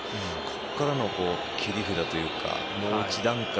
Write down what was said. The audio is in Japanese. ここからの切り札というかもう一段階